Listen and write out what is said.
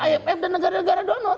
imf dan negara negara donor